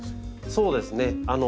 そうですね。